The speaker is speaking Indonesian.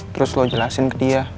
terus lo jelasin ke dia